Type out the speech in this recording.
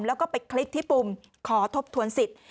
แล้วก็ไปคลิกที่ปุ่มขอทบทวนสิทธิ์